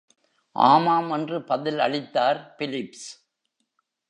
ஆமாம் என்று பதில் அளித்தார் பிலிப்ஸ்.